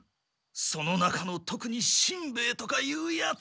その中のとくにしんべヱとかいうヤツ。